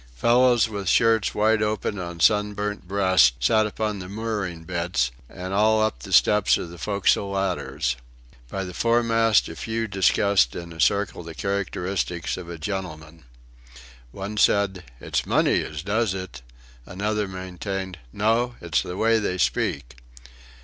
Fellows with shirts open wide on sunburnt breasts sat upon the mooring bits, and all up the steps of the forecastle ladders. By the foremast a few discussed in a circle the characteristics of a gentleman. One said: "It's money as does it." Another maintained: "No, it's the way they speak."